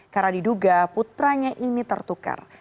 karena diduga putranya ini tertukar